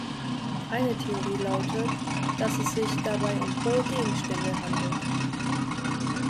Eine Theorie lautet, dass es sich dabei um hohe Gegenstände handelt.